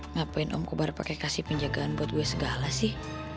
ngapain om kubar pakai kasih penjagaan buat gue segala sih